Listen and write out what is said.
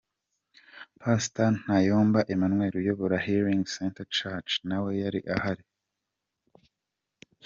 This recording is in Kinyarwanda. Pastor Ntayomba Emmanuel uyobora Healing Centre Church nawe yari ahari.